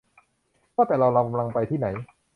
ว่าแต่เรากำลังไปทีไ่หน